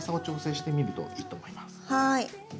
はい。